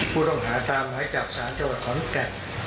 ผู้ต้องหาตามหมายจับสารจังหวัดขอนแก่น